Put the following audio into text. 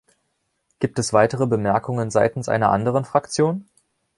Gibt es weitere Bemerkungen seitens einer anderen Fraktion?